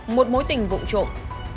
một mối tình vụn trộm